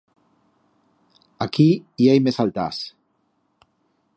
Aquí i hai mes altars.